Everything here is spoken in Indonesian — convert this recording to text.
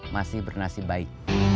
masih bernasib baik